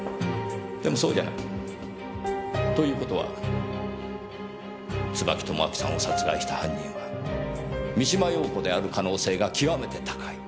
でもそうじゃない。という事は椿友章さんを殺害した犯人は三島陽子である可能性が極めて高い。